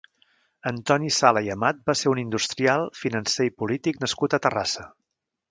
Antoni Sala i Amat va ser un industrial, financer i polític nascut a Terrassa.